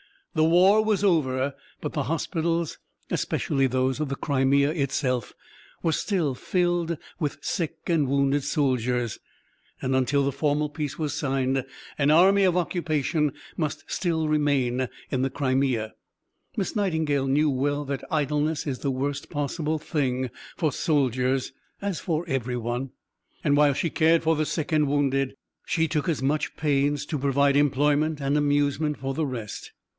The war was over, but the hospitals, especially those of the Crimea itself, were still filled with sick and wounded soldiers, and until the formal peace was signed an "army of occupation" must still remain in the Crimea. Miss Nightingale knew well that idleness is the worst possible thing for soldiers (as for everyone); and while she cared for the sick and wounded, she took as much pains to provide employment and amusement for the rest.